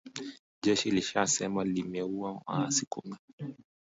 Jeshi linasema limeua waasi kumi